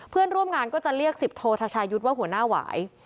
เพื่อนร่วมงานก็จะเรียกสิบโททชายุทธ์ว่าหัวหน้าหวาย